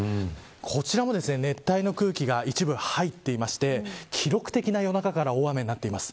こちらも熱帯の空気が一部入っていまして記録的な夜中から大雨になっています。